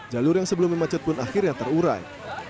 jalur yang sebelum memacet pun akhirnya terurai